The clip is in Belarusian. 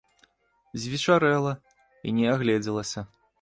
Звечарэла, і не агледзелася!